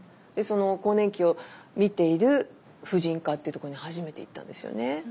更年期を診ている婦人科っていうところに初めて行ったんですよね。